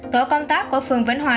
tổ công tác của phường vĩnh hòa